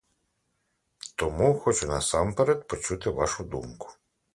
Тому хочу насамперед почути вашу думку.